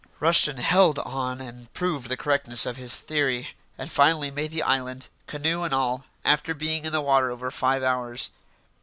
Rushton held on and proved the correctness of his theory, and finally made the island, canoe and all, after being in the water over five hours.